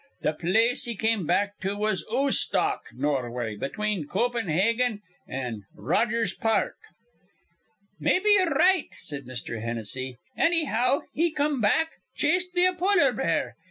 Th' place he come back to was Oostoc, Norway, between Coopenhaagen an' an' Rogers Park." "Maybe ye're right," said Mr. Hennessy. "Annyhow, he come back, chased be a polar bear.